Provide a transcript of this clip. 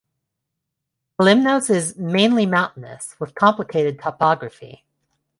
Kalymnos is mainly mountainous with complicated topography.